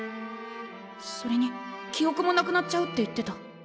それにきおくもなくなっちゃうって言ってた。